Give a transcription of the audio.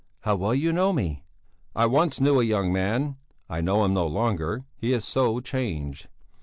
How well you know me!" "I once knew a young man I know him no longer, he is so changed!